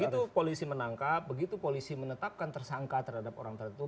begitu polisi menangkap begitu polisi menetapkan tersangka terhadap orang tertentu